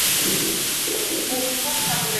毛氏远环蚓为巨蚓科远环蚓属下的一个种。